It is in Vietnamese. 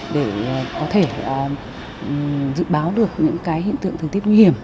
để có thể dự báo được những hiện tượng thường tiết nguy hiểm